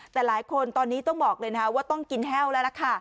แต่หลายคนตอนนี้ต้องบอกเลยนะว่าต้องกินแห้วแล้วล่ะค่ะ